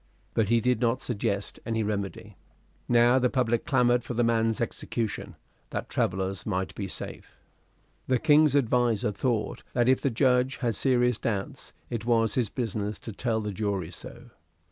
But he did not suggest any remedy. Now the public clamored for the man's execution, that travellers might be safe. The King's adviser thought that if the judge had serious doubts, it was his business to tell the jury so.